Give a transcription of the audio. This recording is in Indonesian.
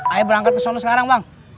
aya berangkat ke sono sekarang bang